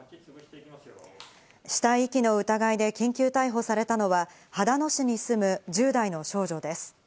死体遺棄の疑いで緊急逮捕されたのは、秦野市に住む１０代の少女です。